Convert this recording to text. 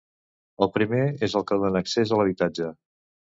El primer és el que dóna accés a l'habitatge.